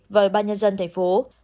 và bnd tp hcm